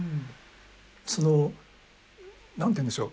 その何て言うんでしょう？